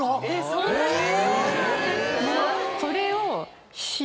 そんなに⁉俺。